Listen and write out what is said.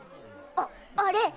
あっあれ！